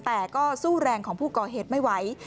แต่ก็สู้แรงของผู้ก่อเหตุไม่ไหว